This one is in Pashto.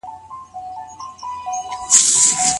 وي خوبونه په سيــنـو كـي